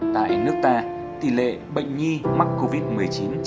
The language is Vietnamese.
tại nước ta tỷ lệ bệnh nhi mắc covid một mươi chín trở nặng và tử vong chưa có